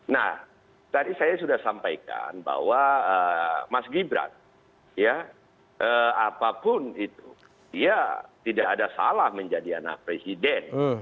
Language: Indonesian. nah tadi saya sudah sampaikan bahwa mas gibran ya apapun itu dia tidak ada salah menjadi anak presiden